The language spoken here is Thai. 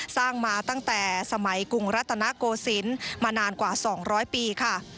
สร้างมาตั้งแต่สมัยกรุงรัตนโกศิลป์มานานกว่า๒๐๐ปีค่ะ